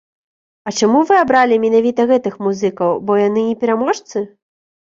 А чаму вы абралі менавіта гэтых музыкаў, бо яны не пераможцы?